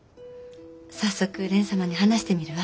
早速蓮様に話してみるわ。